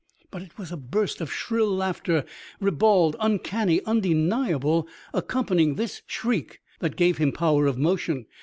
But it was a burst of shrill laughter, ribald, uncanny, undeniable, accompanying the shriek that gave him power of motion.